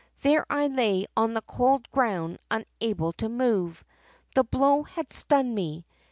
There I lay on the cold ground unable to move. The blow had stunned me.